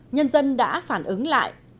nhân dân đã phản ứng lại